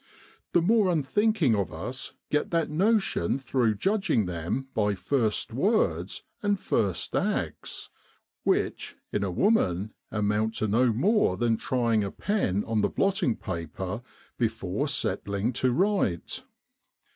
The more unthinking of us get that notion through judging them by first words and first acts, which, in a woman, amount to no more than trying a pen on the blotting paper before settling to write.